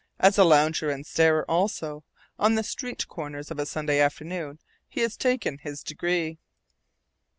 As a lounger and starer also, on the street corners of a Sunday afternoon, he has taken his degree.